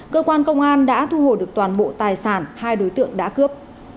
cơ quan công an đã thu hồi được toàn bộ tài sản hai đối tượng đã cướp